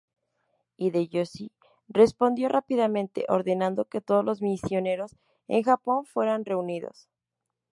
Hideyoshi respondió rápidamente, ordenando que todos los misioneros en Japón fueran reunidos.